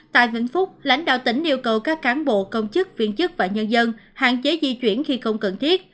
tại vĩnh phúc lãnh đạo tỉnh yêu cầu các cán bộ công chức viên chức và nhân dân hạn chế di chuyển khi không cần thiết